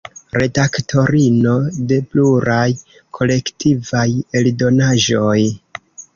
Redaktorino de pluraj kolektivaj eldonaĵoj.